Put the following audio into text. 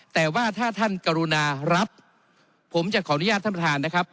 แต่ว่าถ้าท่านกรุณารับผมจะขออนุญาตท่านประธานนะครับ